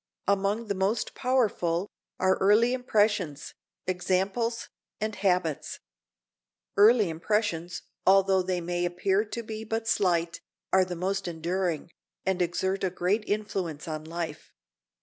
Among the most powerful are early impressions, examples, and habits. Early impressions, although they may appear to be but slight, are the most enduring, and exert a great influence on life.